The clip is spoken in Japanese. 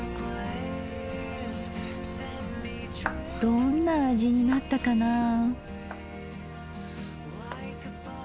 どんな味になったかなあ。